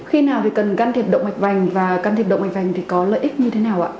khi nào thì cần can thiệp động mạch vành và can thiệp động mạch vành thì có lợi ích như thế nào ạ